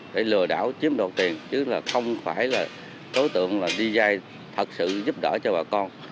để lừa đảo chiếm đoạt tiền chứ là không phải là đối tượng đi dây thật sự giúp đỡ cho bà con